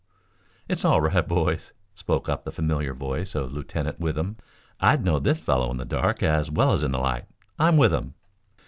"It's all right, boys," spoke up the familiar voice of Lieutenant Withem. "I'd know this fellow in the dark as well as in the light. I'm Withem."